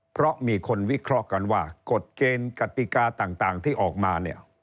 เพราะมีคนวิเคราะห์กันว่ากฎเกณฑ์กติกาต่างที่ออกมาเนี่ย